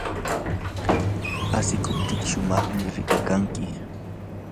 asikuptiyki shumaqmi rikakanki.